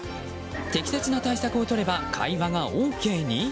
適切な対策をとれば会話がＯＫに？